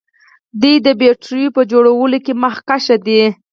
دوی د بیټریو په جوړولو کې مخکښ دي.